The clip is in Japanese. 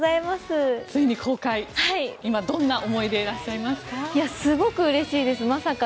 ついに公開今どんな思いでいらっしゃいますか？